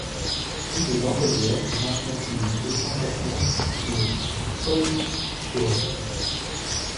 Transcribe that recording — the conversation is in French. Rue des Dentelières, vingt-neuf mille deux cent soixante Le Folgoët